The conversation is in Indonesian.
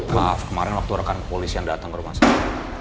maaf kemarin waktu rekan polisi yang datang ke rumah sakit